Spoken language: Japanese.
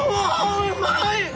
うまい！